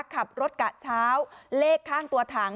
ขับรถกะเช้าเลขข้างตัวถัง